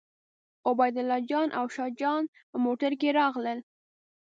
عبیدالله جان او شاه جان په موټر کې راغلل.